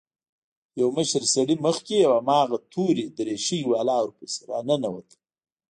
يو مشر سړى مخکې او هماغه تورې دريشۍ والا ورپسې راننوتل.